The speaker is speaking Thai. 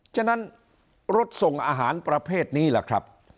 ฉะนั้นรถส่งอาหารประเภทนี้ล่ะครับ